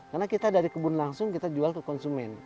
karena kita dari kebun langsung kita jual ke konsumen